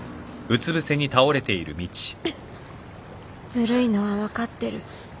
ずるいのは分かってる